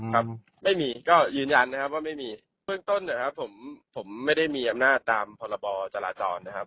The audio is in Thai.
ครับไม่มีก็ยืนยันนะครับว่าไม่มีเบื้องต้นนะครับผมผมไม่ได้มีอำนาจตามพรบจราจรนะครับ